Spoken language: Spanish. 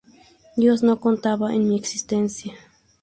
Dios no contaba en mi existencia.